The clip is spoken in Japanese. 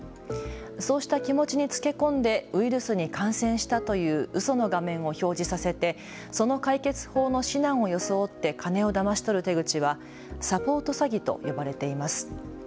そうした気持ちにつけ込んでウイルスに感染したといううその画面を表示させてその解決法の指南を装って金をだまし取る手口はサポート詐欺と呼ばれています。